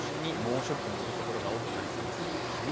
内陸部を中心に猛暑日という所が多くなりそうです。